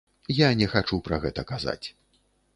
Я не хачу пра гэта казаць.